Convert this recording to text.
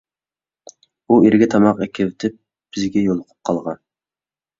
ئۇ ئېرىگە تاماق ئەكېتىۋېتىپ بىزگە يولۇقۇپ قالغان.